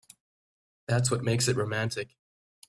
That's what makes it romantic.